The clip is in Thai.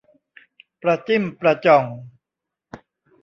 ประจิ้มประจ่อง